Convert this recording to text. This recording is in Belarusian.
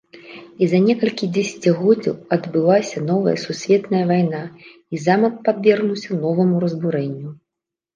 І за некалькі дзесяцігоддзяў адбылася новая сусветная вайна, і замак падвергнуўся новаму разбурэнню.